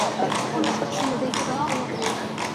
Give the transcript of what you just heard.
كل شخص لديه ضعف وقوة.